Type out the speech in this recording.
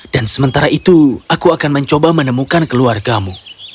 dan sementara itu aku akan mencoba menemukan keluargamu